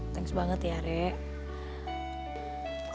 thanks banget ya ray